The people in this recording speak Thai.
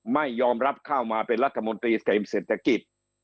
ไม่ยอมรับเข้ามาเป็นรัฐมนตรีเต็มเศรษฐกิจ